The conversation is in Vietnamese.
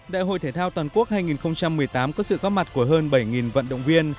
đại hội thể thao toàn quốc hai nghìn một mươi tám có sự góp mặt của hơn bảy vận động viên